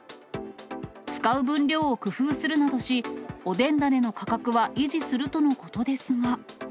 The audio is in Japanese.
使う分量を工夫するなどし、おでん種の価格は維持するとのことですが。